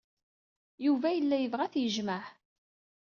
Yuba yella yebɣa ad t-yejmeɛ.